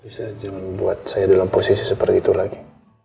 bisa jangan buat saya dalam posisi seperti itu lagi